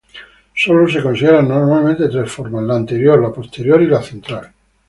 Sólo se consideran normalmente tres formas: la anterior, la posterior y la central.